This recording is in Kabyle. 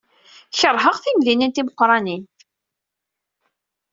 Keṛheɣ timdinin timeqranin.